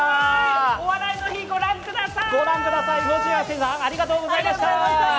「お笑いの日」御覧ください！